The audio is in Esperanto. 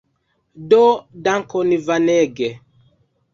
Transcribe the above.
Do dankon Vanege.